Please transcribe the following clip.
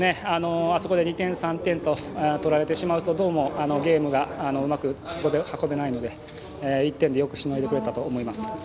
あそこで２点、３点と取られてしまうとゲームがうまく運べないので１点でよくしのいでくれたと思います。